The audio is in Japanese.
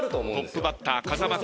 トップバッター風間君。